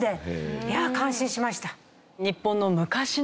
いや感心しました。